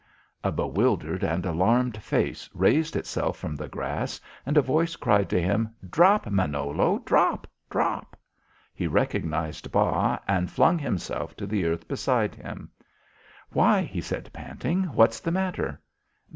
A bewildered and alarmed face raised itself from the grass and a voice cried to him: "Drop, Manolo! Drop! Drop!" He recognised Bas and flung himself to the earth beside him. "Why," he said panting, "what's the matter?"